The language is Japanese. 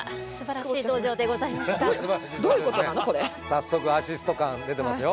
早速アシスト感出てますよ。